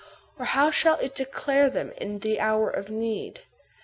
Or how shall it declare them in the hour of need